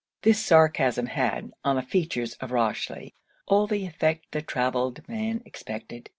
This sarcasm had, on the features of Rochely, all the effect the travelled man expected.